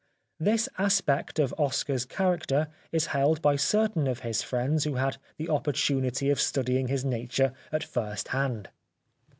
This aspect of Oscar's character is held by certain of his friends who had the op portunity of studying his nature at first hand.